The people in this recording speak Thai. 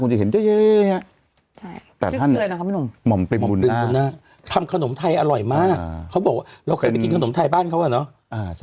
เขาบอกว่าเราเคยไปกินขนมไทยบ้านเขาอะเนอะ